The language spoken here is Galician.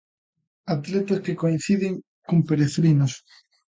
Atletas que coinciden con peregrinos.